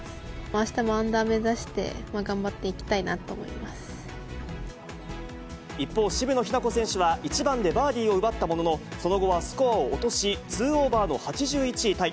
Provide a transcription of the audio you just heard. あしたもアンダー目指して、一方、渋野日向子選手は、１番でバーディーを奪ったものの、その後はスコアを落とし、２オーバーの８１位タイ。